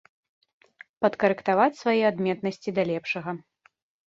Падкарэктаваць свае адметнасці да лепшага.